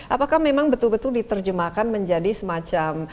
apakah memang betul betul diterjemahkan menjadi semacam